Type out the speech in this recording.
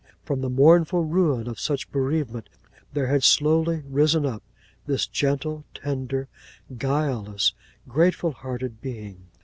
—From the mournful ruin of such bereavement, there had slowly risen up this gentle, tender, guileless, grateful hearted being.